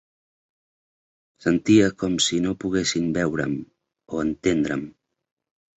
Sentia com si no poguessin veure'm o entendre'm.